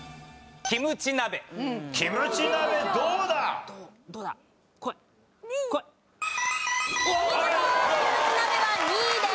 キムチ鍋は２位です。